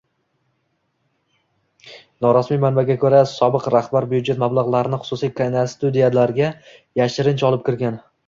Norasmiy manbaga ko'ra, sobiq rahbar byudjet mablag'larini xususiy kinostudiyalarga yashirincha olib kirgan